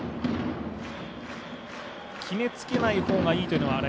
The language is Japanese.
決めつけない方がいいというのは？